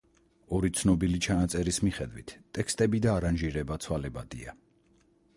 ორი ცნობილი ჩანაწერის მიხედვით ტექსტები და არანჟირება ცვალებადია.